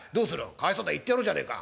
「かわいそうだ言ってやろうじゃねえか。